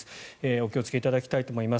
お気をつけいただきたいと思います。